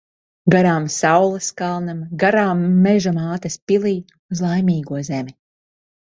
Garām saules kalnam, garām Meža mātes pilij. Uz Laimīgo zemi.